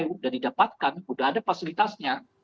sudah didapatkan sudah ada fasilitasnya